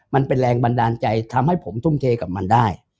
มันเป็นแรงบันดาลใจทำให้ผมทุ่มเทกับมันได้